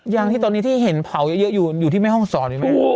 ยังที่ตอนนี้ที่เห็นเผาเยอะอยู่ที่แม่ห้องศรอีกไหม